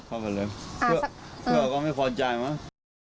เข้าไปเลยเพื่อก็ไม่ควรใจมาก